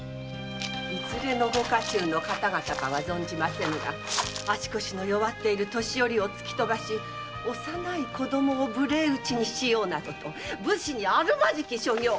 いずれのご家中の方々かは存じませぬが足腰の弱っている年寄りを突きとばし幼い子供を無礼討ちにしようなどと武士にあるまじき所業。